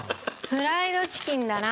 フライドチキンだな。